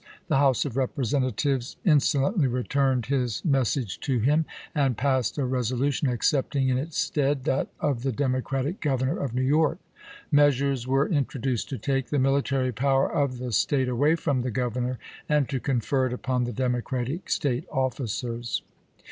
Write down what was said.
The House of Eepresentatives in solently returned his message to him, and passed a resolution accepting in its stead that of the Demo cratic Governor of New York. Measures were introduced to take the military power of the State away from the Governor and to confer it upon the Democratic State officers.